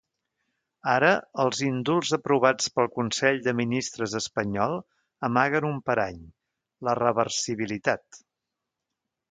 Ara, els indults aprovats pel consell de ministres espanyol amaguen un parany: la reversibilitat.